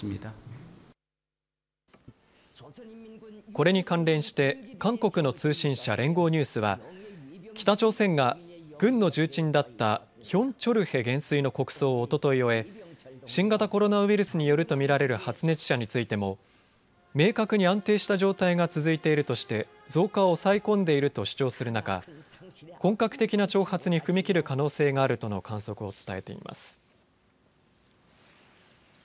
これに関連して韓国の通信社、連合ニュースは北朝鮮が軍の重鎮だったヒョン・チョルヘ元帥の国葬をおととい終え、新型コロナウイルスによると見られる発熱者についても明確に安定した状態が続いているとして増加を抑え込んでいると主張する中、本格的な挑発に踏み切る可能性があるとの観測を伝えています。